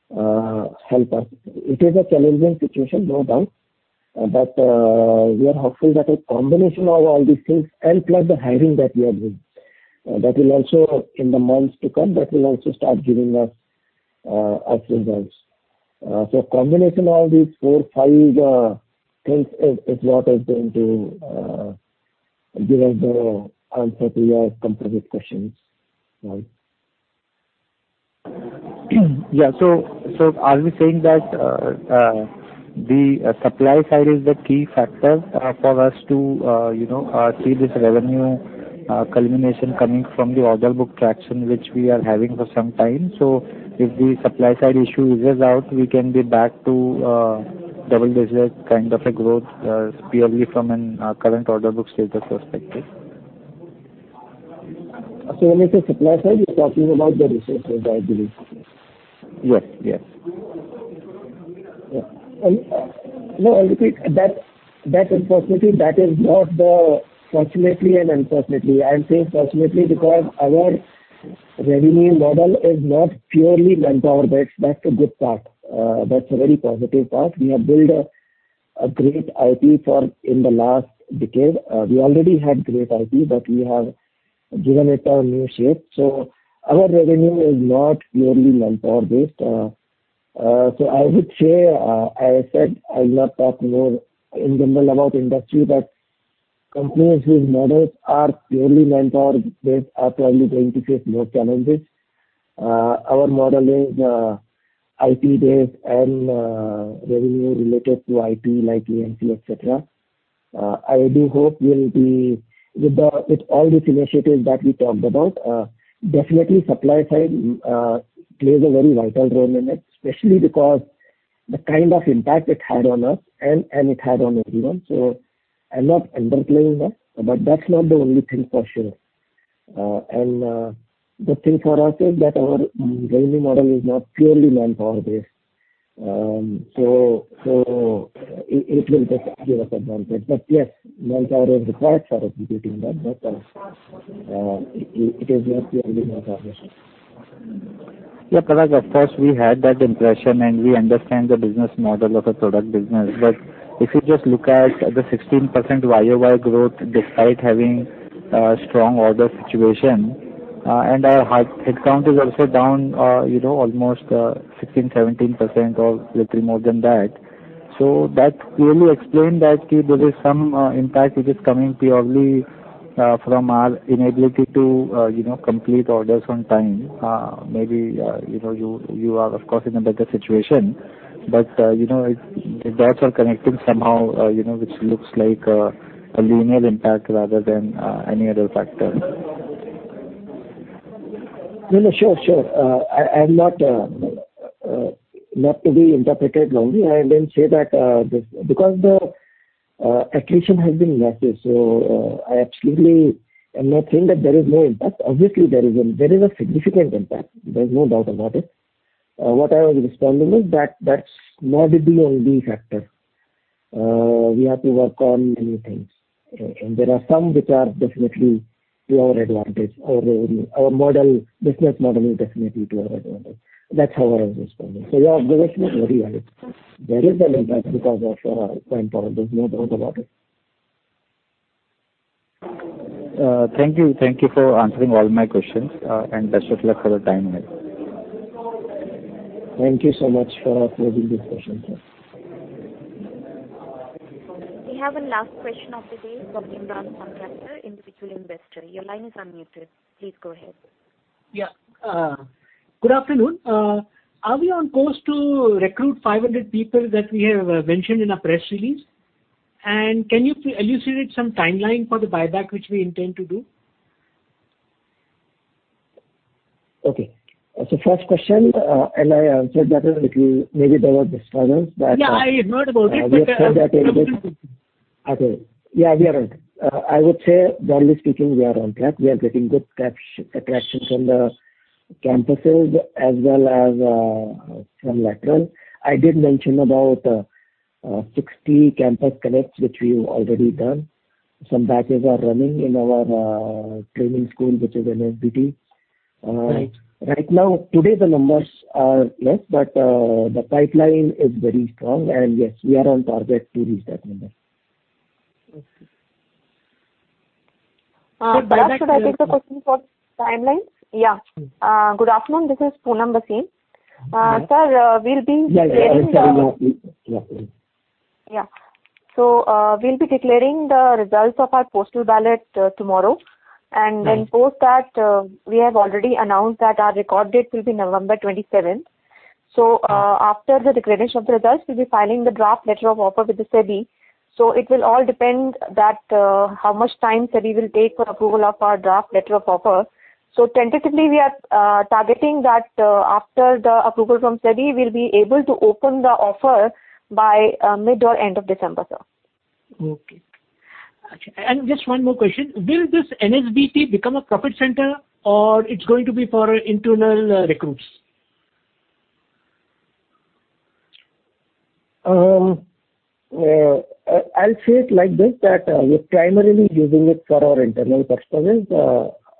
Speaker 4: help us. It is a challenging situation, no doubt. We are hopeful that a combination of all these things and plus the hiring that we are doing, that will also, in the months to come, start giving us results. Combination of these four, five things is what is going to give us the answer to your composite questions. Right.
Speaker 12: Yeah, are we saying that the supply side is the key factor for us to you know see this revenue culmination coming from the order book traction which we are having for some time? If the supply side issue eases out, we can be back to double digit kind of a growth, purely from a current order book status perspective.
Speaker 4: When you say supply side, you're talking about the resources, I believe.
Speaker 12: Yes. Yes.
Speaker 4: Yeah. No, I repeat, unfortunately, that is not fortunately and unfortunately. I'm saying fortunately because our revenue model is not purely manpower based. That's a good part. That's a very positive part. We have built a great IP in the last decade. We already had great IP, but we have given it a new shape. Our revenue is not purely manpower based. I would say, as I said, I'll not talk more in general about industry, but companies whose models are purely manpower based are probably going to face more challenges. Our model is IP based and revenue related to IP like AMC, et cetera. I do hope we'll be with all these initiatives that we talked about, definitely supply side plays a very vital role in it, especially because the kind of impact it had on us and it had on everyone. I'm not underplaying that, but that's not the only thing for sure. The thing for us is that our revenue model is not purely manpower based. It will just give us advantage. Yes, manpower is required for executing that. It is not purely manpower based.
Speaker 12: Yeah. Parag, of course, we had that impression, and we understand the business model of a product business. If you just look at the 16% YOY growth despite having a strong order situation, and our headcount is also down, you know, almost 16%, 17% or little more than that. That clearly explain that there is some impact which is coming purely from our inability to, you know, complete orders on time. Maybe, you know, you are of course in a better situation, but, you know, it, the dots are connecting somehow, you know, which looks like a linear impact rather than any other factor.
Speaker 4: No, no. Sure, sure. I'm not to be interpreted wrongly. I didn't say that. Because the attrition has been massive, I absolutely am not saying that there is no impact. Obviously, there is a significant impact. There's no doubt about it. What I was responding is that that's not the only factor. We have to work on many things. There are some which are definitely to our advantage. Our revenue, our model, business model is definitely to our advantage. That's how I was responding. Yeah, you're absolutely right. There is an impact because of manpower. There's no doubt about it.
Speaker 12: Thank you. Thank you for answering all my questions. Best of luck for the timeline.
Speaker 4: Thank you so much for holding this session.
Speaker 1: We have a last question of the day from Imran Contractor, individual investor. Your line is unmuted. Please go ahead.
Speaker 13: Yeah. Good afternoon. Are we on course to recruit 500 people that we have mentioned in our press release? Can you elucidate some timeline for the buyback which we intend to do?
Speaker 4: Okay. First question, and I answered that a little, maybe there was dissonance, but.
Speaker 13: Yeah, I heard about it but.
Speaker 4: Yeah, we are on. I would say generally speaking, we are on track. We are getting good traction from the campuses as well as from lateral. I did mention about 60 campus connects which we've already done. Some batches are running in our training school, which is NSBT.
Speaker 13: Right.
Speaker 4: Right now, today the numbers are less, but the pipeline is very strong. Yes, we are on target to reach that number.
Speaker 13: Okay.
Speaker 14: Parag, should I take the question for timeline?
Speaker 4: Yeah.
Speaker 14: Yeah. Good afternoon. This is Poonam Bhasin.
Speaker 4: Hi.
Speaker 14: Sir, we'll be creating the
Speaker 4: Yeah. I'm sorry. Yeah.
Speaker 14: Yeah. We'll be declaring the results of our postal ballot tomorrow.
Speaker 4: Right.
Speaker 14: Post that, we have already announced that our record date will be November 27th. After the declaration of the results, we'll be filing the draft letter of offer with the SEBI. It will all depend that how much time SEBI will take for approval of our draft letter of offer. Tentatively, we are targeting that after the approval from SEBI, we'll be able to open the offer by mid or end of December, sir.
Speaker 13: Okay. Just one more question. Will this NSBT become a profit center or it's going to be for internal recruits?
Speaker 4: I'll say it like this, that we're primarily using it for our internal purposes.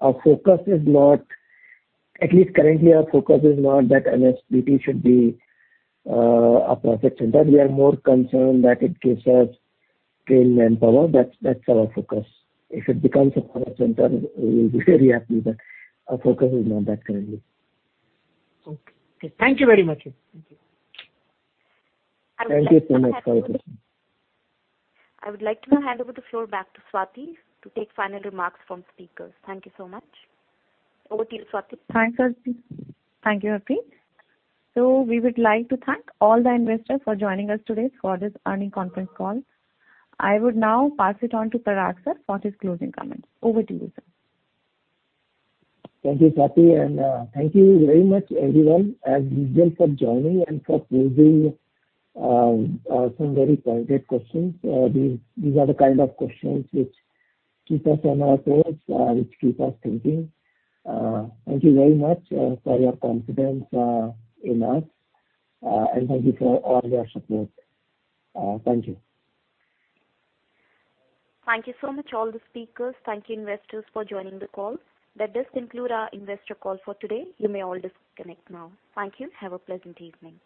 Speaker 4: Our focus is not, atleast currently, our focus is not that NSBT should be a profit center. We are more concerned that it gives us trained manpower. That's our focus. If it becomes a profit center, we'll be very happy, but our focus is not that currently.
Speaker 13: Okay. Thank you very much.
Speaker 4: Thank you so much for your question.
Speaker 1: I would like to now hand over the floor back to Swati to take final remarks from speakers. Thank you so much. Over to you, Swati.
Speaker 2: Thanks, Harpreet. Thank you, Harpreet. We would like to thank all the investors for joining us today for this earnings conference call. I would now pass it on to Parag, sir, for his closing comments. Over to you, sir.
Speaker 4: Thank you, Swati, and thank you very much, everyone, as usual for joining and for posing some very pointed questions. These are the kind of questions which keep us on our toes, which keep us thinking. Thank you very much for your confidence in us, and thank you for all your support. Thank you.
Speaker 1: Thank you so much all the speakers. Thank you, investors, for joining the call. That does conclude our investor call for today. You may all disconnect now. Thank you. Have a pleasant evening.